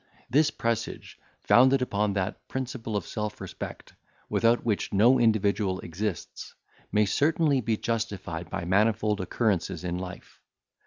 This presage, founded upon that principle of self respect, without which no individual exists, may certainly be justified by manifold occurrences in life.